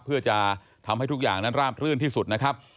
เพื่อจะทำให้ทุกอย่างนั้นราบรื่นที่สุดนะครับ